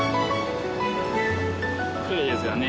きれいですよね。